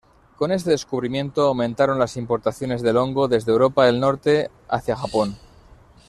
Con este descubrimiento aumentaron las importaciones del hongo desde Europa del Norte hacia Japón.